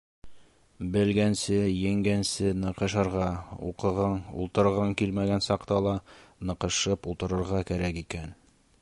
Белгәнсе, еңгәнсе ныҡышырға, уҡығың, ултырғың килмәгән саҡта ла ныҡышып ултырырға кәрәк икән...